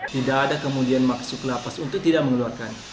tidak ada kemudian maksud lapas untuk tidak mengeluarkan